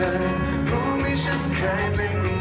อีกเพลงหนึ่งครับนี้ให้สนสารเฉพาะเลย